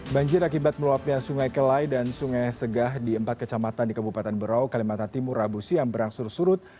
banjir akibat meluapnya sungai kelai dan sungai segah di empat kecamatan di kabupaten berau kalimantan timur rabu siang berangsur surut